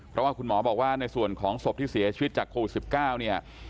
เพราะว่าคุณหมอบอกว่าในส่วนของศพที่เสียชีวิตจากโควิด๑๙เนี่ย